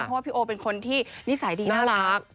เพราะว่าพี่โอเป็นคนที่นิสัยดีน่ารัก